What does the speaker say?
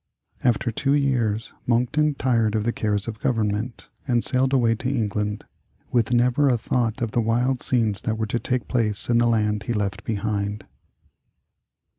After two years Monckton tired of the cares of government, and sailed away to England, with never a thought of the wild scenes that were to take place in the land he left behind.